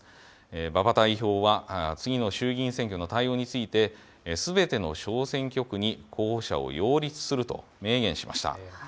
馬場代表は次の衆議院選挙の対応について、すべての小選挙区に候補者を擁立すると明言しました。